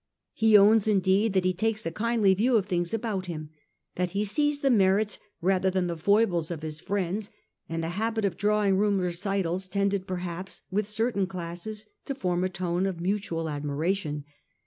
He owns, indeed, that he takes a kindly view of things about him, that he sees the merits rather than the foibles of his friends ; and the habit of drawing room recitals tended perhaps, with certain classes, to form a tone of mutual admiration.